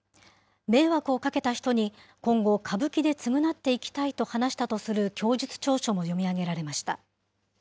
迷惑をかけた人に今後、歌舞伎で償っていきたいと話したとする供述調書も読み上げられました。